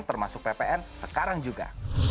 termasuk ppn sekarang juga